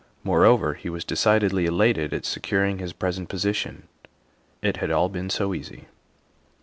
Moreover, he was decidedly elated at securing his present position; it had all been so easy.